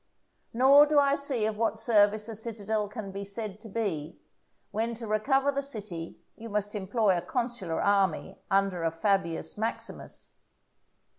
Nor do I see of what service a citadel can be said to be, when to recover the city you must employ a consular army under a Fabius Maximus.